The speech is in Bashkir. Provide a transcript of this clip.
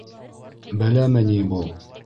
— Бәләме ни был?